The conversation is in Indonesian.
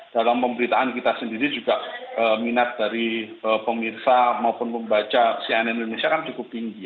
dalam pemberitaan kita sendiri juga minat dari pemirsa maupun pembaca cnn indonesia kan cukup tinggi